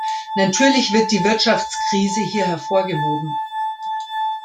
Natürlich wird die Wirtschaftskrise hier hervorgehoben.